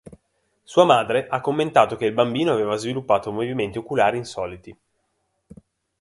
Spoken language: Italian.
Sua madre ha commentato che il bimbo aveva sviluppato movimenti oculari insoliti.